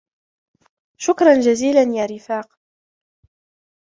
شكرا جزيلا يا رفاق.